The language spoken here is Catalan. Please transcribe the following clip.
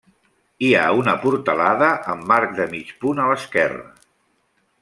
Hi ha una portalada amb arc de mig punt a l'esquerra.